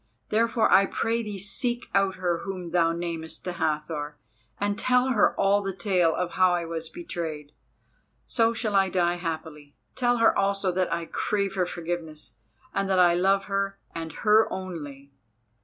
Therefore I pray thee seek out her whom thou namest the Hathor and tell her all the tale of how I was betrayed. So shall I die happily. Tell her also that I crave her forgiveness and that I love her and her only."